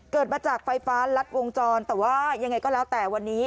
เกิดมาจากไฟฟ้ารัดวงจรแต่ว่ายังไงก็แล้วแต่วันนี้